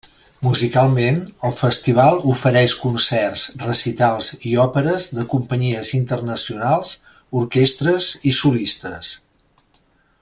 Musicalment, el festival ofereix concerts, recitals i òperes de companyies internacionals, orquestres i solistes.